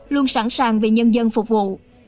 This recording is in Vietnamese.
luôn sẵn sàng về nhân dân phục vụ